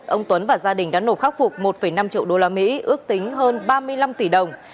ông tuấn và gia đình đã nộp khắc phục một năm triệu đô la mỹ ước tính hơn ba mươi năm tỷ đồng